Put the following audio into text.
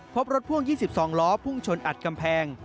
พบรถพ่วง๒๒ล้อพุ่งชนอัดกำแพง